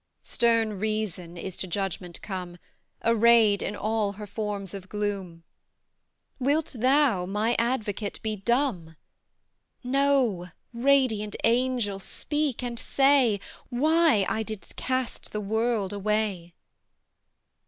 Stern Reason is to judgment come, Arrayed in all her forms of gloom: Wilt thou, my advocate, be dumb? No, radiant angel, speak and say, Why I did cast the world away.